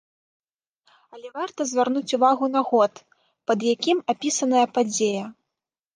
Але варта звярнуць увагу на год, пад якім апісаная падзея.